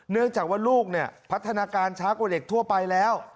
เนื่องจากว่าลูกเนี่ยพัฒนาการช้ากว่าเด็กทั่วไปแล้ว